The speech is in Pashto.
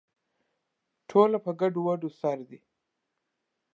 ټول په ګډووډو سر دي